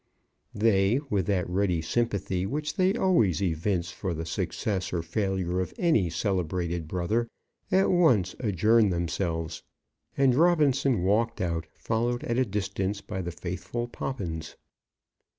They, with that ready sympathy which they always evince for the success or failure of any celebrated brother, at once adjourned themselves; and Robinson walked out, followed at a distance by the faithful Poppins.